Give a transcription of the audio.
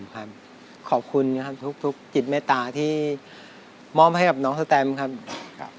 ขอบคุณนะครับทุกจิตเมตตาที่มอบให้กับน้องสแตมครับ